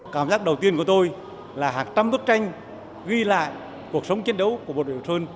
cảm giác đầu tiên của tôi là hàng trăm bức tranh ghi lại cuộc sống chiến đấu của bộ đội trường sơn